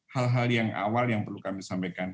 hal hal yang awal yang perlu kami sampaikan